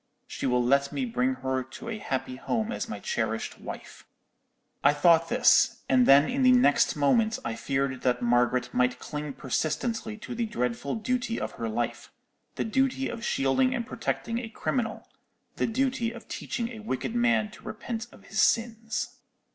She will let me bring her to a happy home as my cherished wife.' "I thought this, and then in the next moment I feared that Margaret might cling persistently to the dreadful duty of her life—the duty of shielding and protecting a criminal; the duty of teaching a wicked man to repent of his sins.